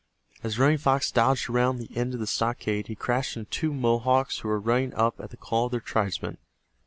As Running Fox dodged around the end of the stockade he crashed into two Mohawks who were running up at the call of their tribesman.